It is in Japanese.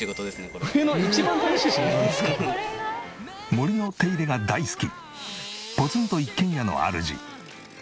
森の手入れが大好きポツンと一軒家のあるじ耕太郎パパ。